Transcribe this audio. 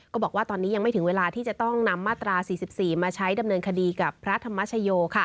ก็บอกว่าตอนนี้ยังไม่ถึงเวลาที่จะต้องนำมาตรา๔๔มาใช้ดำเนินคดีกับพระธรรมชโย